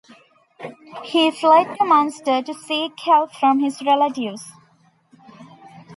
He fled to Munster to seek help from his relatives.